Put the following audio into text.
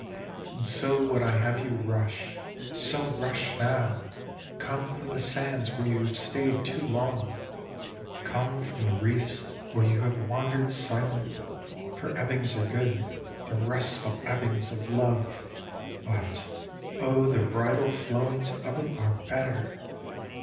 _ _And so would I have you rush; so rush now! Come from the sands where you have stayed too long, Come from the reefs where you have wandered silent, For ebbings are good, the restful ebbings of love, But, oh, the bridal flowings of it are better!